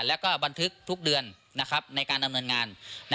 แล้วก็บันทึกทุกเดือนในการดำเนินงาน